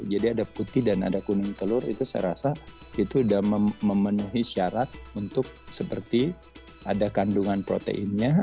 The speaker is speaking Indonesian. jadi ada putih dan ada kuning telur itu saya rasa itu sudah memenuhi syarat untuk seperti ada kandungan proteinnya